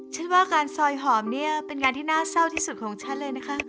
ฉันว่าการซอยหอมเนี่ยเป็นงานที่น่าเศร้าที่สุดของฉันเลยนะคะ